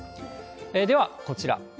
ではこちら。